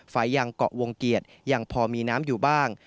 ฝายังเกาะวงเกียรติยังพอมีน้ำอยู่บ้าง